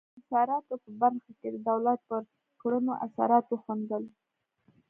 د انحصاراتو په برخه کې د دولت پر کړنو اثرات وښندل.